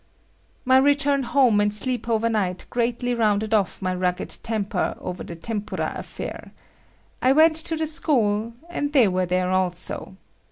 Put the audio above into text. My return home and sleep over night greatly rounded off my rugged temper over the tempura affair. I went to the school, and they were there also.